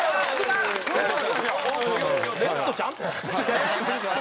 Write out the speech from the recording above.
もっとちゃんとやれ。